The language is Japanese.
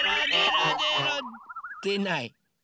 でない。